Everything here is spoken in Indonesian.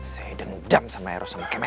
saya dendam sama eros sama kemet